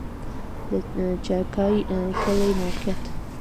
د چاګای کلی موقعیت